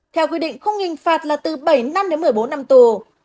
theo quy định không hình phạt là từ bảy năm đến một mươi bốn năm tù